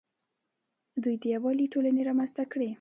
دوی د یووالي ټولنې رامنځته کړې